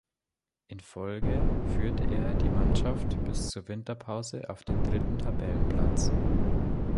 In Folge führte er die Mannschaft bis zur Winterpause auf den dritten Tabellenplatz.